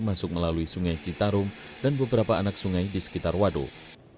masuk melalui sungai citarum dan beberapa anak sungai di sekitar waduk